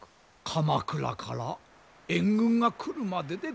鎌倉から援軍が来るまででございます。